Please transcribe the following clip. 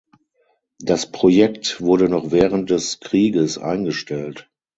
Das Projekt wurde noch während des Krieges eingestellt.